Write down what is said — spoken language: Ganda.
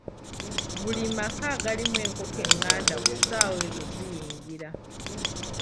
Buli maka agalimu enkoko enganda, ku ssaawa ezo ziyingira.